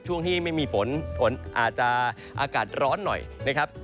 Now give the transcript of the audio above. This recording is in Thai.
ช่วงที่ไม่มีฝนฝนอาจจะอากาศร้อนหน่อยนะครับ